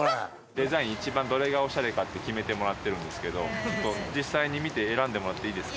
デザイン一番どれがおしゃれかって決めてもらってるんですけど実際に見て選んでもらっていいですか？